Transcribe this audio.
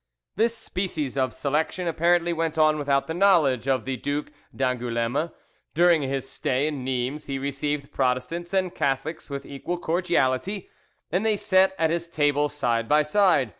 This species of selection apparently went on without the knowledge of the Duc d'Angouleme. During his stay in Nimes he received Protestants and Catholics with equal cordiality, and they set at his table side by side.